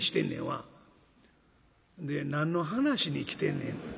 「で何の話に来てんねんな」。